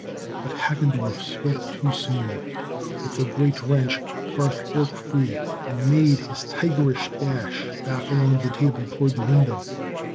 But Hagendorff spoke too soon. With a great wrench, Garth broke free, and made a tigerish dash back along the table toward the window.